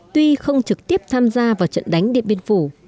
tuy không trực tiếp tham gia vào trận đánh điện biên phủ